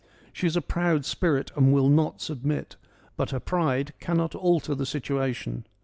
She is a proud spirit and will not submit, but her pride cannot alter the situation.